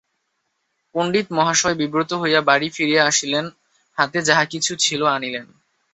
পণ্ডিতমহাশয় বিব্রত হইয়া বাড়ি ফিরিয়া আসিলেন, হাতে যাহাকিছু ছিল আনিলেন।